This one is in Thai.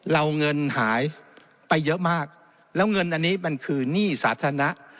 เงินหายไปเยอะมากแล้วเงินอันนี้มันคือหนี้สาธารณะ